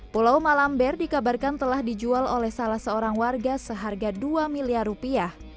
pulau malamber dikabarkan telah dijual oleh salah seorang warga seharga dua miliar rupiah